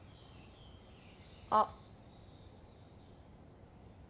あっ。